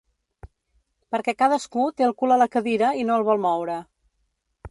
Perquè cadascú té el cul a la cadira i no el vol moure.